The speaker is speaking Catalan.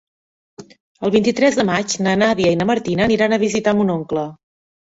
El vint-i-tres de maig na Nàdia i na Martina aniran a visitar mon oncle.